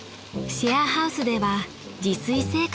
［シェアハウスでは自炊生活］